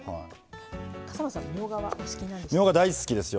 笠松さんみょうがはお好きなんでしたっけ。